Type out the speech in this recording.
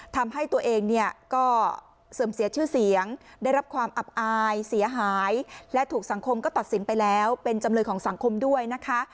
ทำให้ตัวเองเนี่ยก็เสื่อมเสียชื่อเสียงได้รับความอับอายเสียหายและถูกสังคมก็ตัดสินไปแล้วเป็นจำเลยของสังคมด้วยนะคะ